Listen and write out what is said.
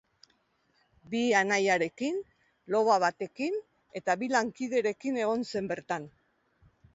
Bi anaiarekin, loba batekin eta bi lankiderekin egon zen bertan.